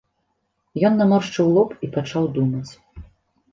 Ён наморшчыў лоб і пачаў думаць.